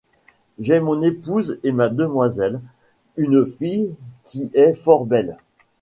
J’ai mon épouse et ma demoiselle ; une fille qui est fort belle.